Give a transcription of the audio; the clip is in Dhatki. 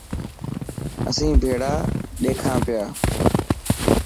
اسين ڀيڙا ڏيکان پيا.